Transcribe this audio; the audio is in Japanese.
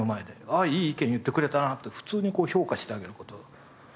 ああいい意見言ってくれたなって普通に評価してあげる事。